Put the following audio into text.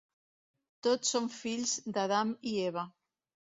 Tots som fills d'Adam i Eva.